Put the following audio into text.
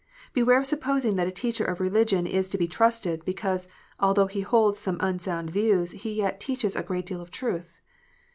Beware of supposing that a teacher of religion is to be trusted, because, although he holds some unsound views, he yet "teaches a great deal of truth."